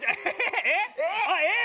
えっ？